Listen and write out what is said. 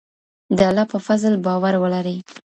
د الله په فضل باور ولرئ.